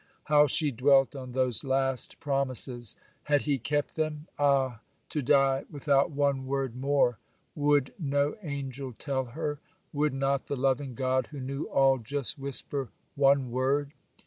How she dwelt on those last promises! Had he kept them? Ah! to die without one word more! Would no angel tell her?—would not the loving God, who knew all, just whisper one word?